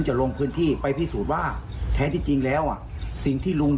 ลงพื้นที่ไปพิสูจน์ว่าแท้ที่จริงแล้วอ่ะสิ่งที่ลุง